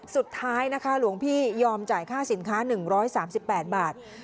สุดท้ายนะคะหลวงพี่ยอมจ่ายค่าสินค้า๑๓๘บาท